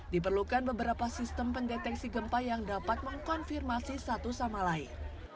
diperlukan beberapa sistem pendeteksi gempa yang dapat mengkonfirmasi satu sama lain